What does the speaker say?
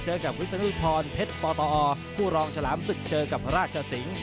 เจอกับวิศนุพรเพชรปตอคู่รองฉลามศึกเจอกับราชสิงศ์